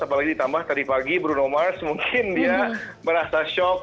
apalagi ditambah tadi pagi bruno mars mungkin dia merasa shock